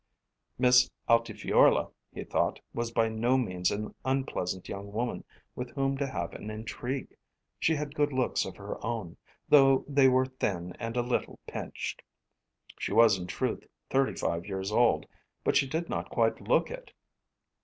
Miss Altifiorla, he thought, was by no means an unpleasant young woman with whom to have an intrigue. She had good looks of her own, though they were thin and a little pinched. She was in truth thirty five years old, but she did not quite look it.